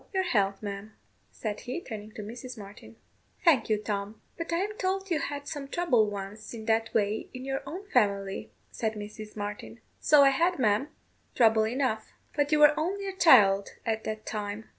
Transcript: Your health, ma'am," said he, turning to Mrs. Martin. "Thank you, Tom. But I am told you had some trouble once in that way in your own family," said Mrs Martin. "So I had, ma'am; trouble enough: but you were only a child at that time."